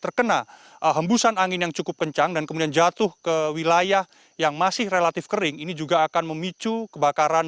terkena hembusan angin yang cukup kencang dan kemudian jatuh ke wilayah yang masih relatif kering ini juga akan memicu kebakaran